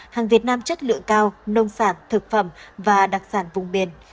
hàng việt nam chất lượng cao nông sản thực phẩm và đặc sản vùng biển